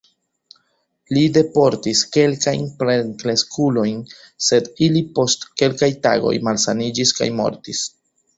Li deportis kelkajn plenkreskulojn, sed ili post kelkaj tagoj malsaniĝis kaj mortis.